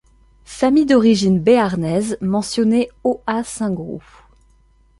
Famille d'origine béarnaise mentionnée au à Saint-Groux.